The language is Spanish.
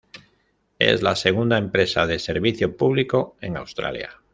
Es la segunda empresa de servicio público en Austria.